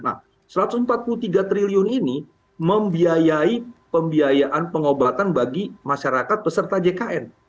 nah rp satu ratus empat puluh tiga triliun ini membiayai pembiayaan pengobatan bagi masyarakat peserta jkn